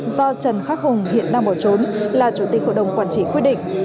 do trần khắc hùng hiện đang bỏ trốn là chủ tịch hội đồng quản trị quyết định